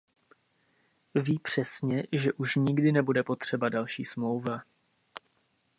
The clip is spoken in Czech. Ví přesně, že už nikdy nebude potřeba další smlouva.